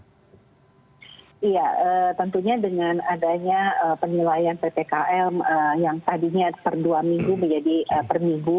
iya tentunya dengan adanya penilaian ppkm yang tadinya per dua minggu menjadi per minggu